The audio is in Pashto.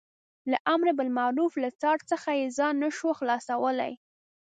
له امر بالمعروف له څار څخه یې ځان نه شوای خلاصولای.